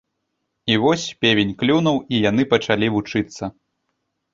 І вось, певень клюнуў, і яны пачалі вучыцца.